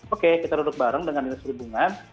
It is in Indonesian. oke kita duduk bareng dengan ini sehubungan